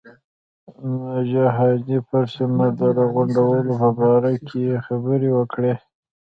د جهادي پرسونل د راغونډولو په باره کې یې خبرې وکړې.